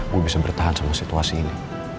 gue bisa bertahan sama situasi ini